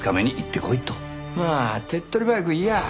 まあ手っ取り早く言やあ